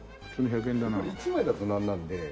１枚だとなんなんで。